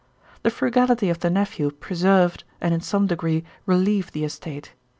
The frugality of the nephew preserved, and, in some degree, relieved the estate.